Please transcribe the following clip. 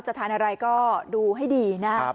จะทานอะไรก็ดูให้ดีนะครับ